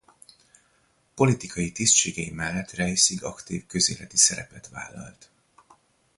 Politikai tisztségei mellett Reiszig aktív közéleti szerepet vállalt.